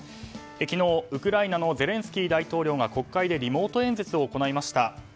昨日、ウクライナのゼレンスキー大統領が国会でリモート演説を行いました。